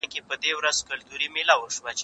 زه به سبا واښه راوړم؟